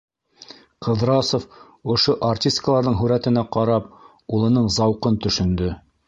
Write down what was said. Ҡыҙрасов, ошо артисткаларҙың һүрәтенә ҡарап, улының зауҡын төшөндө.